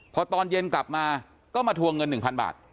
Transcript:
พอตอนเย็นกลับมาก็มาทวงเงิน๑๐๐บาท